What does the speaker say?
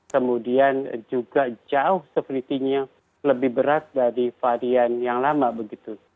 kemudian juga jauh sepertinya lebih berat dari varian yang lama begitu